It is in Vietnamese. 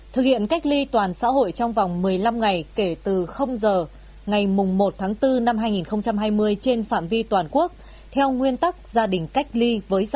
một thực hiện cách ly toàn xã hội trong vòng một mươi năm ngày